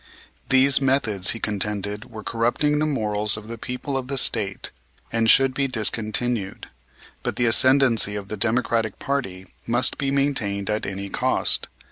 These methods, he contended, were corrupting the morals of the people of the State and should be discontinued; but the ascendency of the Democratic party must be maintained at any cost.